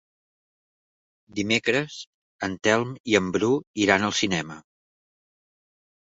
Dimecres en Telm i en Bru iran al cinema.